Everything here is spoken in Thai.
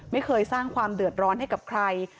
ไม่เคยสร้างความเดือดร้อนให้กับเพื่อนบ้านนะคะ